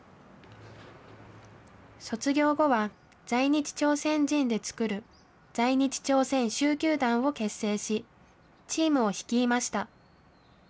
卒業後は、在日朝鮮人で作る在日朝鮮蹴球団を結成し、チームを率いました。